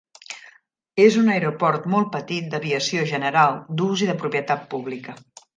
És un aeroport molt petit d"aviació general d"ús i de propietat pública.